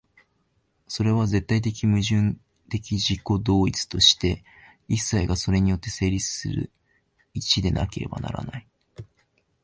それは絶対矛盾的自己同一として、一切がそれによって成立する一でなければならない。